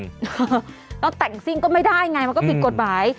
รถแต่งสิ้นก็ไม่ได้ไงมันก็ผิดกฎหมาย